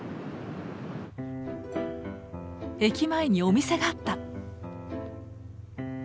駅前にお店があった。